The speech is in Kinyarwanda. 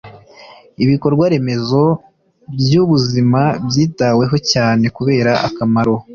Ibikorwa remezo by ubuzima byitaweho cyane kubera akamaro